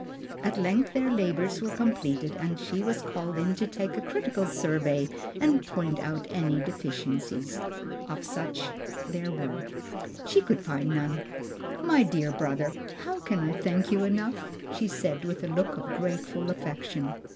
At length their labors were completed, and she was called in to take a critical survey and point out any deficiency, if such there were. She could find none. "My dear brother, how can I thank you enough?" she said, with a look of grateful affection.